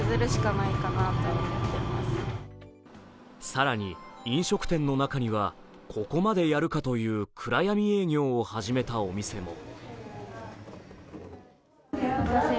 更に、飲食店の中にはここまでやるかという暗闇営業を始めたお店も。